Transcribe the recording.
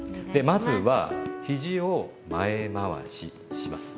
まずはひじを前回しします。